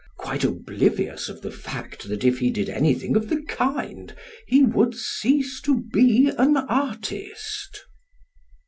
quite oblivious of the fact that if he did anything of the kind he would cease to be an artist.